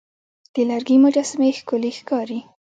د لرګي مجسمې ښکلي ښکاري.